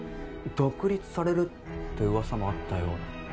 独立されるって噂もあったような。